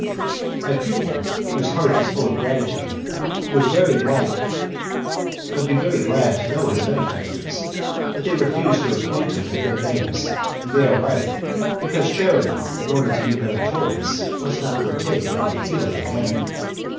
"My pupil, whose heart is full of gratitude, would be very glad to know his benefactors, but they refuse to acquaint him with their names, and they are right, because charity, in order to be meritorious, must not partake of any feeling of vanity.